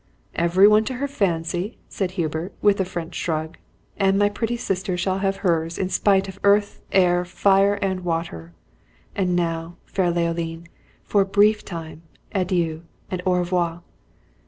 "Every one to her fancy!" said Hubert, with a French shrug, "and my pretty sister shall have hers in spite of earth, air, fire, and water! And now, fair Leoline, for a brief time, adieu, and au revoir!"